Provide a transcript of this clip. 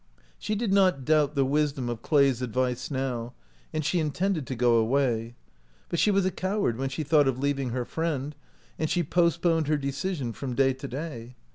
She did not doubt the wisdom of Clay's advice now, and she in tended to go away; but she was a coward when she thought of leaving her friend, and she postponed her decision from day to day.